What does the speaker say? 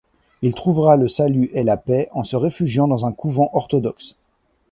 Il trouvera le salut et la paix en se réfugiant dans un couvent orthodoxe.